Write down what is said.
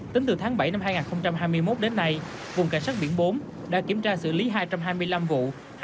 tính từ tháng bảy năm hai nghìn hai mươi một đến nay vùng cảnh sát biển bốn đã kiểm tra xử lý hai trăm hai mươi năm vụ